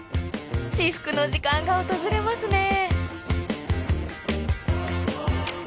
至福の時間が訪れますね。